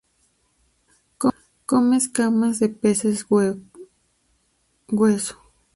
Come escamas de peces hueso.